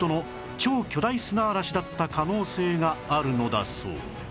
超巨大砂嵐だった可能性があるのだそう